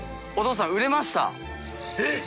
えっ？